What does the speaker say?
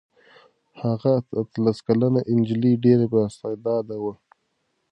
هغه اتلس کلنه نجلۍ ډېره بااستعداده وه.